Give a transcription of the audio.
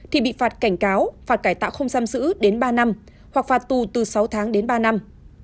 thì bị phạt cảnh cáo phạt cải tạo không giam giữ đến ba năm hoặc phạt tù từ sáu tháng đến ba năm